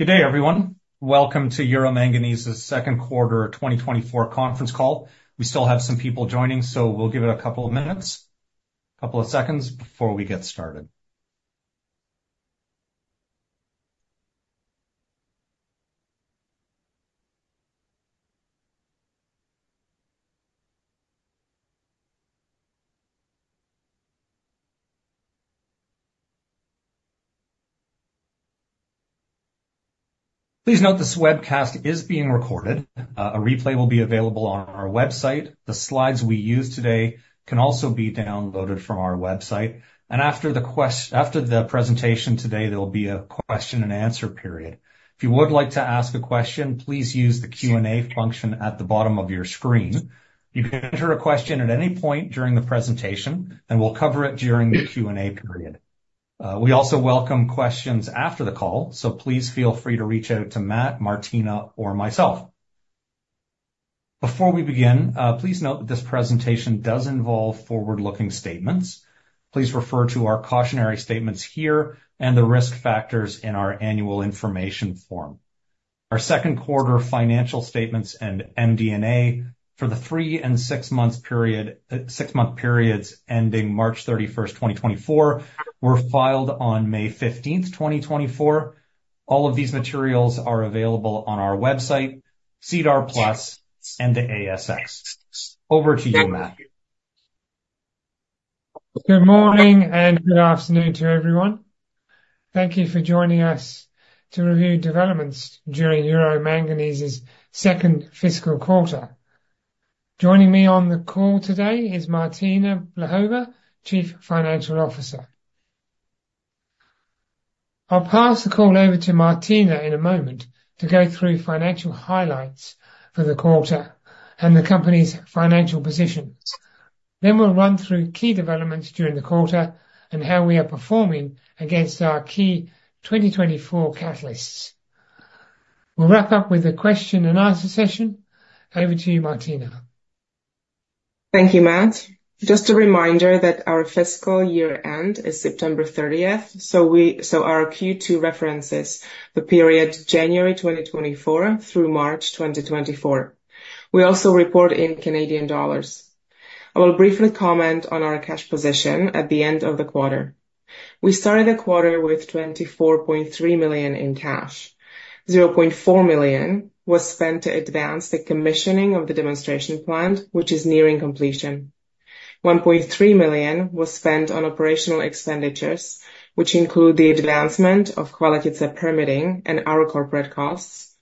Good day, everyone. Welcome to Euro Manganese's second quarter of 2024 conference call. We still have some people joining, so we'll give it a couple of minutes, couple of seconds before we get started. Please note this webcast is being recorded. A replay will be available on our website. The slides we use today can also be downloaded from our website, and after the presentation today, there will be a question and answer period. If you would like to ask a question, please use the Q&A function at the bottom of your screen. You can enter a question at any point during the presentation, and we'll cover it during the Q&A period. We also welcome questions after the call, so please feel free to reach out to Matt, Martina, or myself. Before we begin, please note that this presentation does involve forward-looking statements. Please refer to our cautionary statements here and the risk factors in our annual information form. Our second quarter financial statements and MD&A for the three and six months period, six-month periods ending March 31st, 2024, were filed on May 15th, 2024. All of these materials are available on our website, SEDAR+, and the ASX. Over to you, Matthew. Good morning and good afternoon to everyone. Thank you for joining us to review developments during Euro Manganese's second fiscal quarter. Joining me on the call today is Martina Blahova, Chief Financial Officer. I'll pass the call over to Martina in a moment to go through financial highlights for the quarter and the company's financial positions. Then we'll run through key developments during the quarter and how we are performing against our key 2024 catalysts. We'll wrap up with a question and answer session. Over to you, Martina. Thank you, Matt. Just a reminder that our fiscal year-end is September 30th, so our Q2 references the period January 2024 through March 2024. We also report in Canadian dollars. I will briefly comment on our cash position at the end of the quarter. We started the quarter with 24.3 million in cash. 0.4 million was spent to advance the commissioning of the demonstration plant, which is nearing completion. 1.3 million was spent on operational expenditures, which include the advancement of Chvaletice permitting and our corporate costs.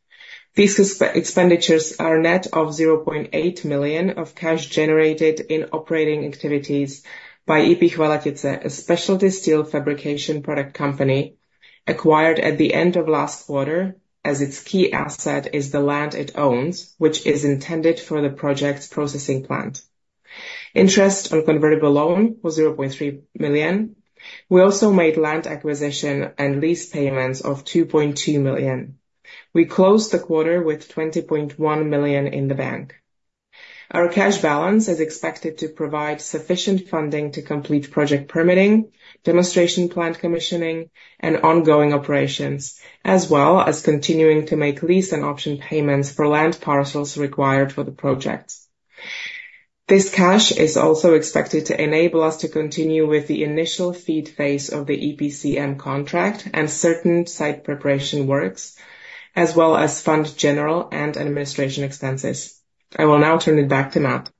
These expenditures are net of 0.8 million of cash generated in operating activities by EP Chvaletice, a specialty steel fabrication company, acquired at the end of last quarter, as its key asset is the land it owns, which is intended for the project's processing plant. Interest on convertible loan was 0.3 million. We also made land acquisition and lease payments of 2.2 million. We closed the quarter with 20.1 million in the bank. Our cash balance is expected to provide sufficient funding to complete project permitting, demonstration plant commissioning, and ongoing operations, as well as continuing to make lease and option payments for land parcels required for the projects. This cash is also expected to enable us to continue with the initial FEED phase of the EPCM contract and certain site preparation works, as well as fund general and administration expenses. I will now turn it back to Matt.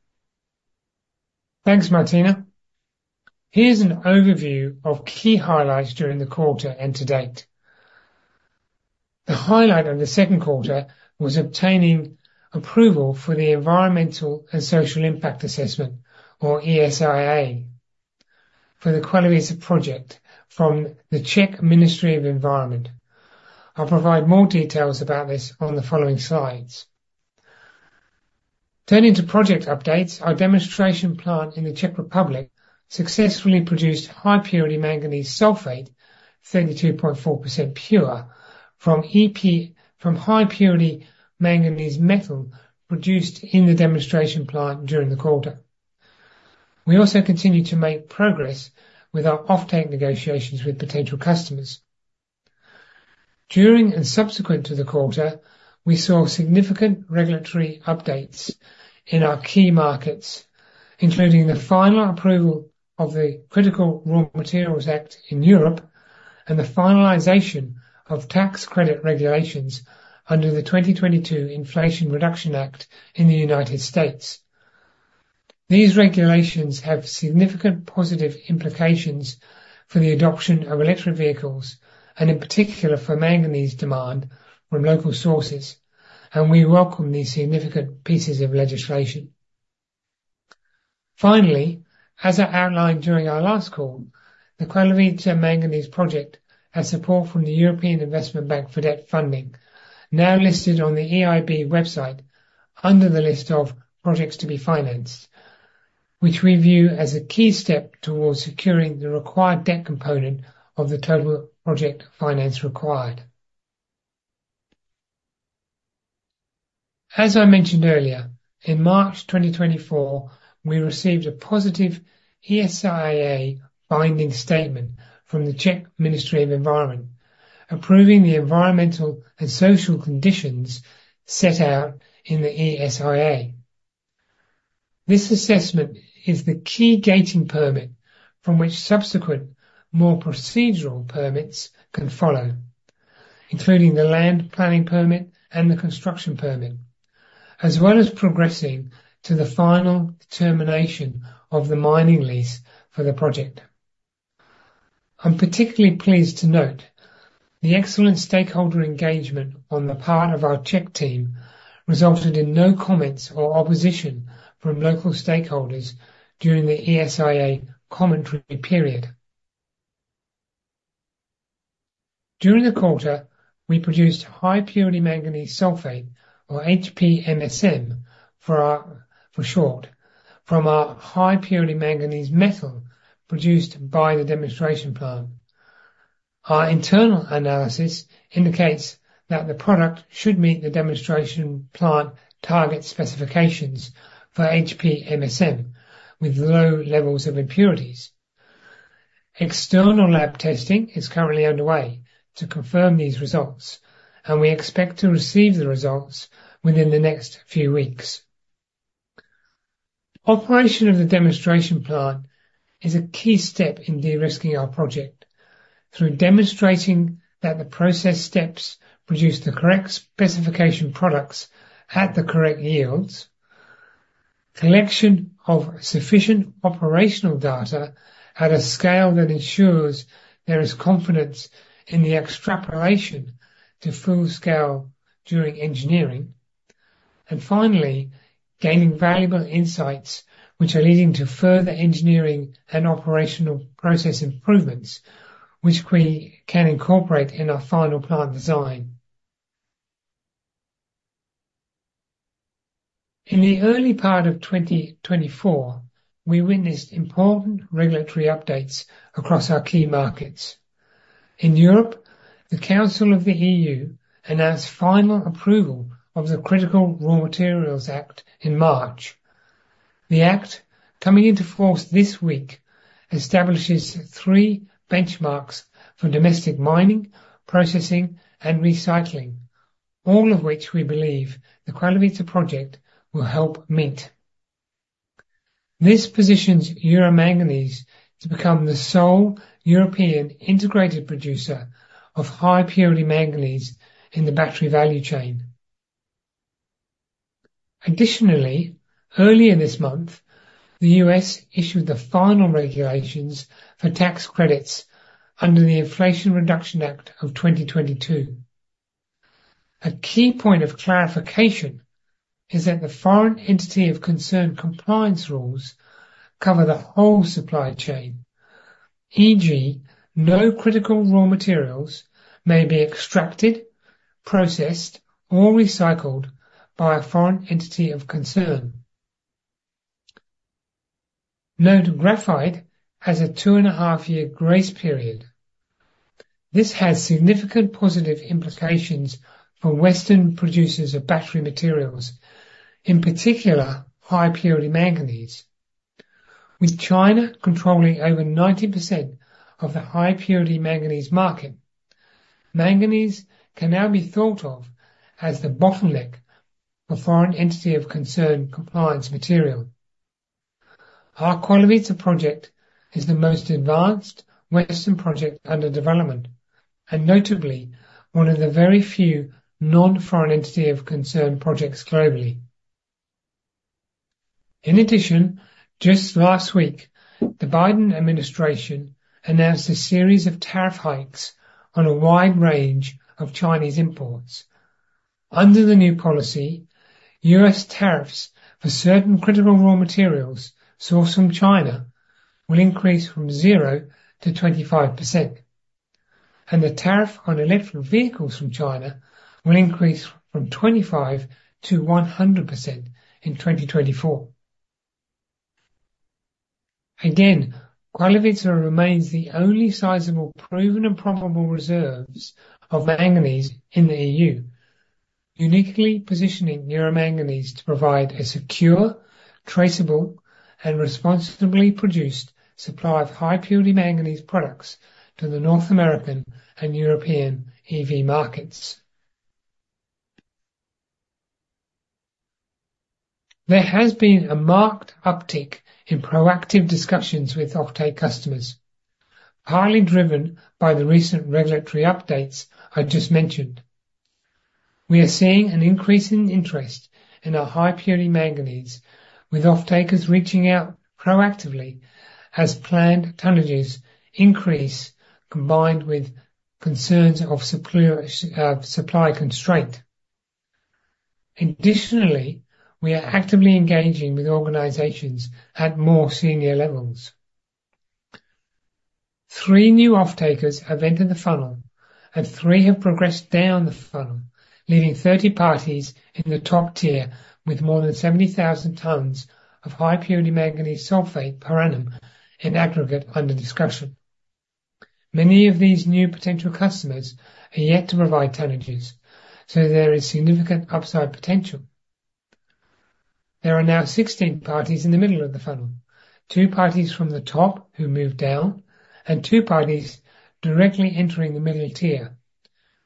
Thanks, Martina. Here's an overview of key highlights during the quarter and to date. The highlight of the second quarter was obtaining approval for the Environmental and Social Impact Assessment, or ESIA, for the Chvaletice project from the Czech Ministry of Environment. I'll provide more details about this on the following slides. Turning to project updates, our demonstration plant in the Czech Republic successfully produced high-purity manganese sulfate, 32.4% pure, from EP, from high-purity manganese metal produced in the demonstration plant during the quarter. We also continued to make progress with our offtake negotiations with potential customers. During and subsequent to the quarter, we saw significant regulatory updates in our key markets, including the final approval of the Critical Raw Materials Act in Europe and the finalization of tax credit regulations under the 2022 Inflation Reduction Act in the United States. These regulations have significant positive implications for the adoption of electric vehicles and in particular for manganese demand from local sources, and we welcome these significant pieces of legislation. Finally, as I outlined during our last call, the Chvaletice Manganese Project has support from the European Investment Bank for debt funding, now listed on the EIB website under the list of projects to be financed, which we view as a key step towards securing the required debt component of the total project finance required. As I mentioned earlier, in March 2024, we received a positive ESIA binding statement from the Czech Ministry of Environment, approving the environmental and social conditions set out in the ESIA. This assessment is the key gating permit from which subsequent more procedural permits can follow, including the land planning permit and the construction permit, as well as progressing to the final determination of the mining lease for the project. I'm particularly pleased to note the excellent stakeholder engagement on the part of our Czech team resulted in no comments or opposition from local stakeholders during the ESIA commentary period. During the quarter, we produced high purity manganese sulfate, or HPMSM for short, from our high purity manganese metal produced by the demonstration plant. Our internal analysis indicates that the product should meet the demonstration plant target specifications for HPMSM with low levels of impurities. External lab testing is currently underway to confirm these results, and we expect to receive the results within the next few weeks. Operation of the demonstration plant is a key step in de-risking our project through demonstrating that the process steps produce the correct specification products at the correct yields, collection of sufficient operational data at a scale that ensures there is confidence in the extrapolation to full scale during engineering, and finally, gaining valuable insights which are leading to further engineering and operational process improvements, which we can incorporate in our final plant design. In the early part of 2024, we witnessed important regulatory updates across our key markets. In Europe, the Council of the EU announced final approval of the Critical Raw Materials Act in March. The Act, coming into force this week, establishes three benchmarks for domestic mining, processing, and recycling, all of which we believe the Chvaletice project will help meet. This positions Euro Manganese to become the sole European integrated producer of high purity manganese in the battery value chain. Additionally, earlier this month, the U.S. issued the final regulations for tax credits under the Inflation Reduction Act of 2022. A key point of clarification is that the Foreign Entity of Concern compliance rules cover the whole supply chain, e.g., no critical raw materials may be extracted, processed, or recycled by a Foreign Entity of Concern. Note graphite has a 2.5-year grace period. This has significant positive implications for Western producers of battery materials, in particular, high purity manganese. With China controlling over 90% of the high purity manganese market, manganese can now be thought of as the bottleneck for Foreign Entity of Concern compliance material. Our Chvaletice project is the most advanced Western project under development, and notably, one of the very few non-Foreign Entity of Concern projects globally. In addition, just last week, the Biden administration announced a series of tariff hikes on a wide range of Chinese imports. Under the new policy, U.S. tariffs for certain critical raw materials sourced from China will increase from 0%-25%, and the tariff on electric vehicles from China will increase from 25%-100% in 2024. Again, Chvaletice remains the only sizable proven and probable reserves of manganese in the EU, uniquely positioning Euro Manganese to provide a secure, traceable, and responsibly produced supply of high purity manganese products to the North American and European EV markets. There has been a marked uptick in proactive discussions with offtake customers, highly driven by the recent regulatory updates I just mentioned. We are seeing an increase in interest in our high-purity manganese, with offtakers reaching out proactively as planned tonnages increase, combined with concerns of superior supply constraint. Additionally, we are actively engaging with organizations at more senior levels. 3 new offtakers have entered the funnel, and 3 have progressed down the funnel, leaving 30 parties in the top tier with more than 70,000 tons of high-purity manganese sulfate per annum in aggregate under discussion. Many of these new potential customers are yet to provide tonnages, so there is significant upside potential. There are now 16 parties in the middle of the funnel, two parties from the top who moved down, and two parties directly entering the middle tier,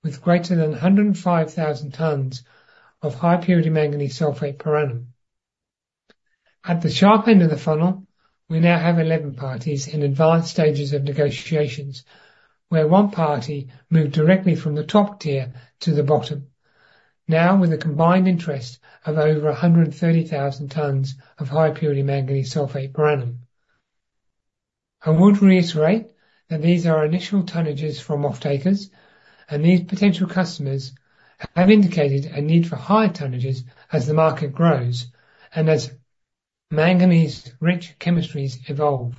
with greater than 105,000 tons of high-purity manganese sulfate per annum. At the sharp end of the funnel, we now have 11 parties in advanced stages of negotiations, where one party moved directly from the top tier to the bottom, now with a combined interest of over 130,000 tons of high-purity manganese sulfate per annum. I would reiterate that these are initial tonnages from off-takers, and these potential customers have indicated a need for higher tonnages as the market grows and as manganese-rich chemistries evolve.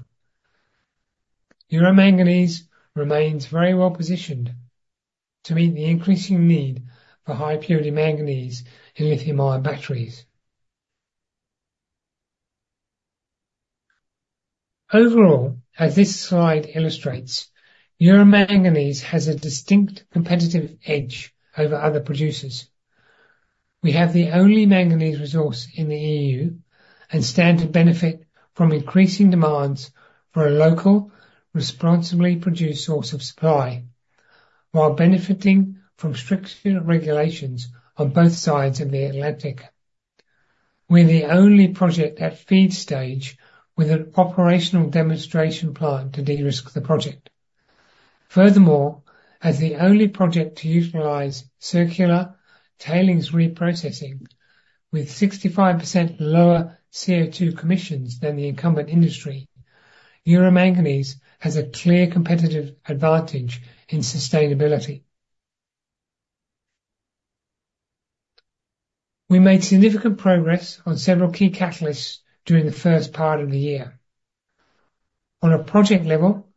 Euro Manganese remains very well positioned to meet the increasing need for high-purity manganese in lithium-ion batteries. Overall, as this slide illustrates, Euro Manganese has a distinct competitive edge over other producers. We have the only manganese resource in the EU and stand to benefit from increasing demands for a local, responsibly produced source of supply, while benefiting from stricter regulations on both sides of the Atlantic. We're the only project at FEED stage with an operational demonstration plant to de-risk the project. Furthermore, as the only project to utilize circular tailings reprocessing with 65% lower CO2 emissions than the incumbent industry, Euro Manganese has a clear competitive advantage in sustainability. We made significant progress on several key catalysts during the first part of the year. On a project level,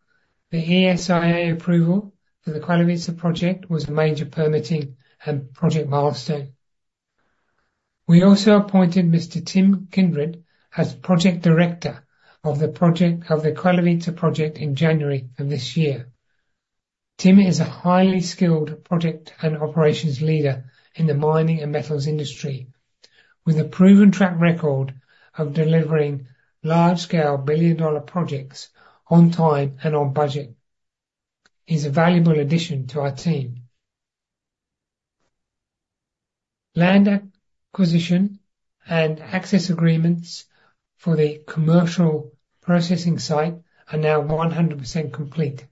the ESIA approval for the Chvaletice project was a major permitting and project milestone. We also appointed Mr. Tim Kindred as Project Director of the Chvaletice project in January of this year. Tim is a highly skilled project and operations leader in the mining and metals industry, with a proven track record of delivering large-scale billion-dollar projects on time and on budget. He's a valuable addition to our team. Land acquisition and access agreements for the commercial processing site are now 100% complete,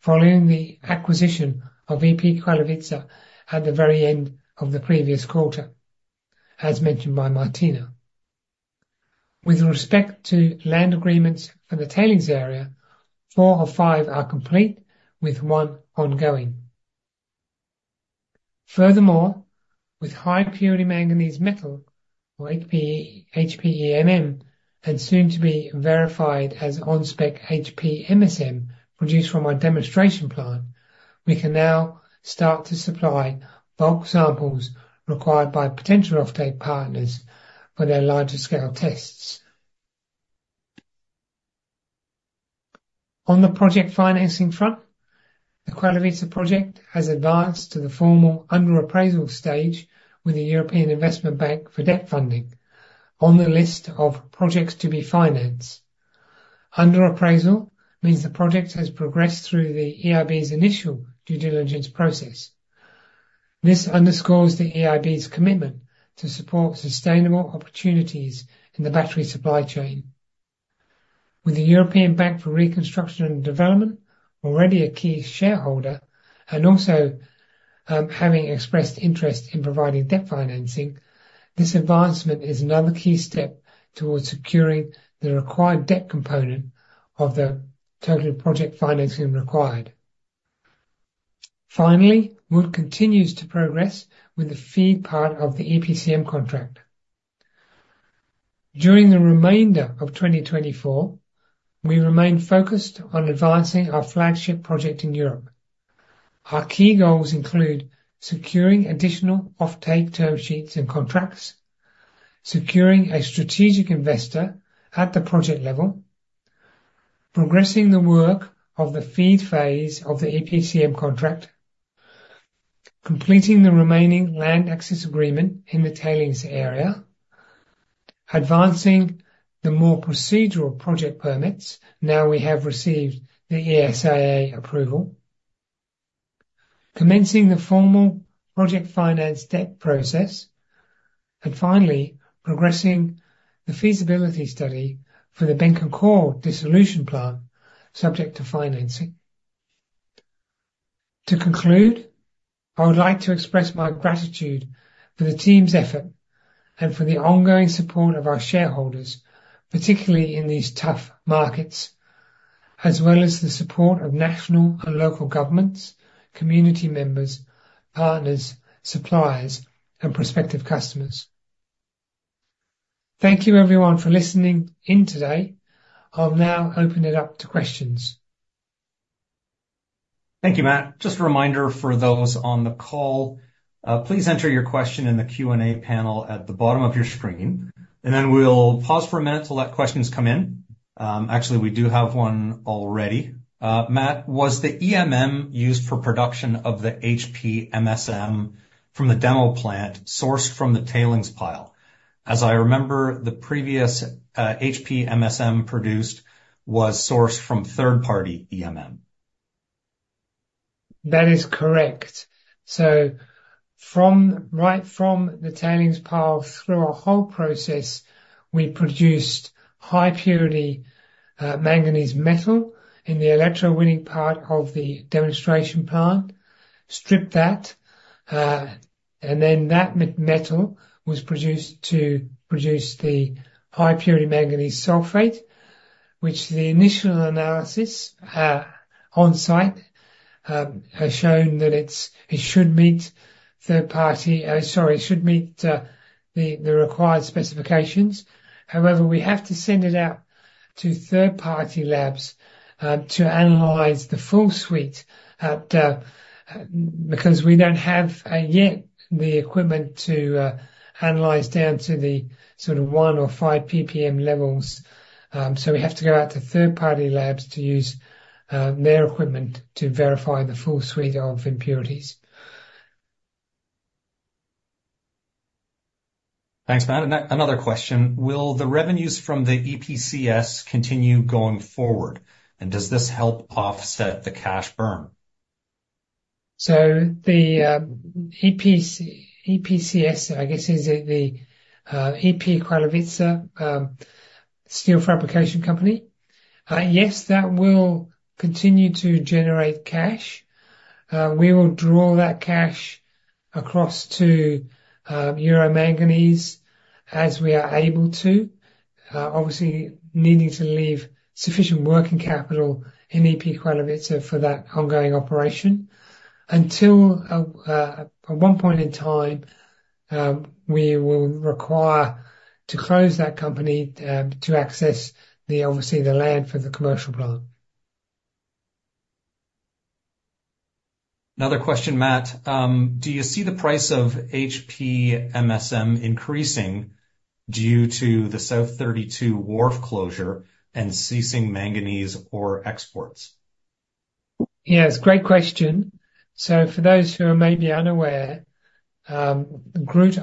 following the acquisition of EP Chvaletice at the very end of the previous quarter, as mentioned by Martina. With respect to land agreements for the tailings area, four of five are complete, with one ongoing. Furthermore, with high-purity manganese metal, or HPEMM, and soon to be verified as on-spec HPMSM, produced from our demonstration plant, we can now start to supply bulk samples required by potential off-take partners for their larger scale tests. On the project financing front, the Chvaletice project has advanced to the formal under appraisal stage with the European Investment Bank for debt funding on the list of projects to be financed. Under appraisal means the project has progressed through the EIB's initial due diligence process. This underscores the EIB's commitment to support sustainable opportunities in the battery supply chain. With the European Bank for Reconstruction and Development already a key shareholder, and also, having expressed interest in providing debt financing, this advancement is another key step towards securing the required debt component of the total project financing required. Finally, work continues to progress with the FEED part of the EPCM contract. During the remainder of 2024, we remain focused on advancing our flagship project in Europe. Our key goals include securing additional off-take term sheets and contracts, securing a strategic investor at the project level, progressing the work of the FEED phase of the EPCM contract, completing the remaining land access agreement in the tailings area, advancing the more procedural project permits now we have received the ESIA approval, commencing the formal project finance debt process, and finally, progressing the feasibility study for the Bécancour dissolution plant, subject to financing. To conclude, I would like to express my gratitude for the team's effort and for the ongoing support of our shareholders, particularly in these tough markets, as well as the support of national and local governments, community members, partners, suppliers, and prospective customers. Thank you, everyone, for listening in today. I'll now open it up to questions. Thank you, Matt. Just a reminder for those on the call, please enter your question in the Q&A panel at the bottom of your screen. And then we'll pause for a minute to let questions come in. Actually, we do have one already. Matt, was the EMM used for production of the HPMSM from the demo plant sourced from the tailings pile? As I remember, the previous HPMSM produced was sourced from third-party EMM. That is correct. So from right from the tailings pile through our whole process, we produced high-purity manganese metal in the electrowinning part of the demonstration plant, stripped that, and then that metal was produced to produce the high-purity manganese sulfate, which the initial analysis on site has shown that it should meet the required specifications. However, we have to send it out to third-party labs to analyze the full suite because we don't have yet the equipment to analyze down to the sort of one or five PPM levels. So we have to go out to third-party labs to use their equipment to verify the full suite of impurities. Thanks, Matt. Another question: Will the revenues from the EPCS continue going forward, and does this help offset the cash burn? So the EP Chvaletice, I guess, is it the EP Chvaletice steel fabrication company? Yes, that will continue to generate cash. We will draw that cash across to Euro Manganese as we are able to. Obviously needing to leave sufficient working capital in EP Chvaletice for that ongoing operation. Until at one point in time, we will require to close that company to access the obviously the land for the commercial plant. Another question, Matt. Do you see the price of HPMSM increasing due to the South32 wharf closure and ceasing manganese ore exports? Yes, great question. So for those who are maybe unaware, Groote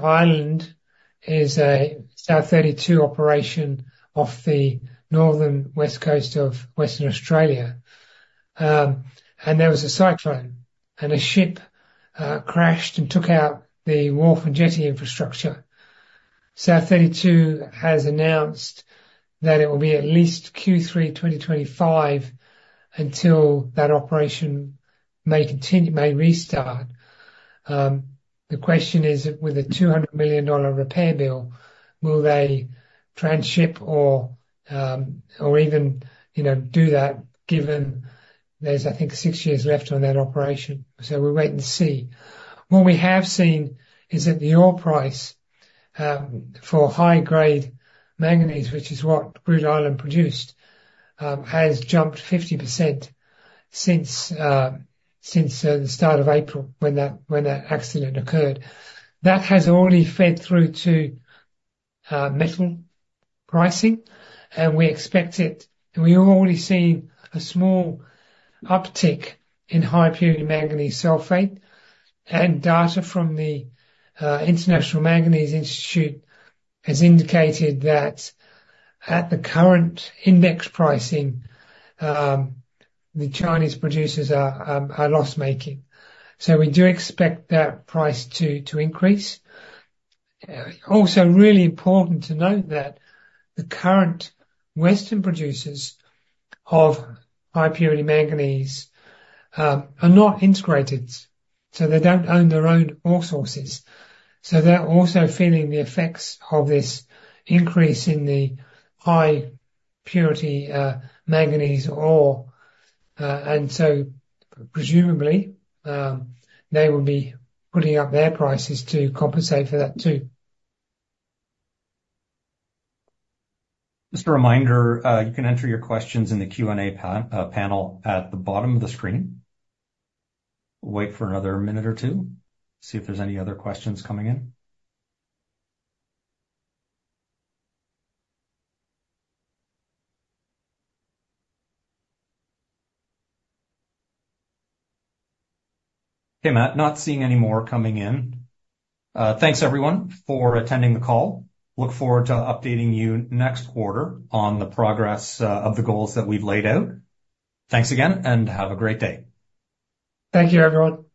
Eylandt is a South32 operation off the northern west coast of Western Australia. And there was a cyclone, and a ship crashed and took out the wharf and jetty infrastructure. South32 has announced that it will be at least Q3 2025 until that operation may restart. The question is, with a $200 million repair bill, will they transship or even, you know, do that, given there's, I think, 6 years left on that operation? So we'll wait and see. What we have seen is that the ore price for high-grade manganese, which is what Groote Eylandt produced, has jumped 50% since the start of April, when that accident occurred. That has already fed through to metal pricing, and we expect it and we've already seen a small uptick in high-purity manganese sulfate. And data from the International Manganese Institute has indicated that at the current index pricing, the Chinese producers are loss-making. So we do expect that price to increase. Also really important to note that the current Western producers of high-purity manganese are not integrated, so they don't own their own ore sources. So they're also feeling the effects of this increase in the high-purity manganese ore, and so presumably they will be putting up their prices to compensate for that, too. Just a reminder, you can enter your questions in the Q&A panel at the bottom of the screen. We'll wait for another minute or two, see if there's any other questions coming in. Okay, Matt, not seeing any more coming in. Thanks, everyone, for attending the call. Look forward to updating you next quarter on the progress of the goals that we've laid out. Thanks again, and have a great day. Thank you, everyone.